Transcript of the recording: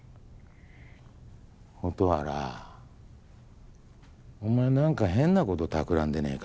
蛍原お前何か変なことたくらんでねぇか？